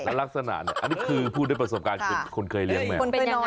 และลักษณะเนี่ยนี่คือผู้ด้วยประสบการณ์ปลูกคนเคยเลี้ยงแม่